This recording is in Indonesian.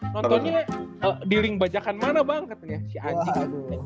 nontonnya di link bajakan mana banget katanya si anjing